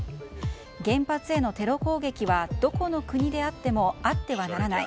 原発へのテロ攻撃はどこの国であってもあってはならない。